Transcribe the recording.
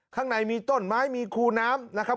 ข้างในมีต้นไม้มีคูน้ำนะครับ